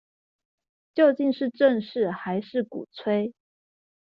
究竟是正視還是鼓吹